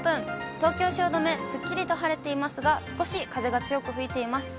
東京・汐留、スッキリと晴れていますが、少し風が強く吹いています。